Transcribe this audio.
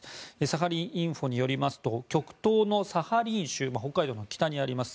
サハリン・インフォによりますと極東のサハリン州北海道の北にあります